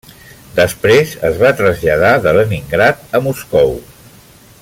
Després es va traslladar de Leningrad a Moscou.